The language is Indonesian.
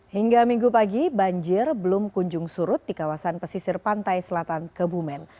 hingga minggu pagi banjir belum kunjung surut di kawasan pesisir pantai selatan kebumen